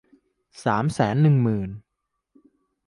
สามแสนหนึ่งหมื่น